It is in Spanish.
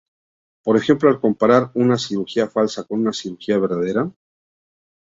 Por ejemplo, al comparar una cirugía falsa con una cirugía verdadera.